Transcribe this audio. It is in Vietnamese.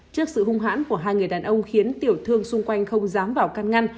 trước sự hung hãn của hai người đàn ông khiến tiểu thương xung quanh không dám vào can ngăn